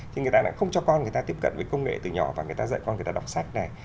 thì người ta lại không cho con người ta tiếp cận với công nghệ từ nhỏ và người ta dạy con người ta đọc sách này